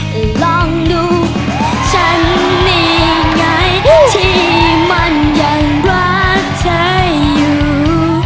ลองดูฉันนี่ไงที่มันยังรักเธออยู่